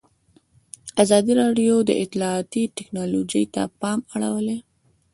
ازادي راډیو د اطلاعاتی تکنالوژي ته پام اړولی.